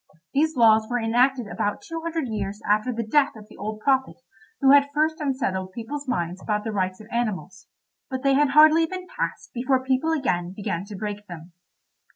These laws were enacted about two hundred years after the death of the old prophet who had first unsettled people's minds about the rights of animals; but they had hardly been passed before people again began to break them.